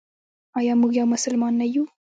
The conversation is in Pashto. آیا موږ یو مسلمان نه یو؟